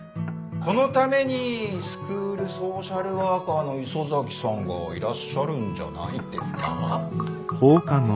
そのためにスクールソーシャルワーカーの磯崎さんがいらっしゃるんじゃないですか？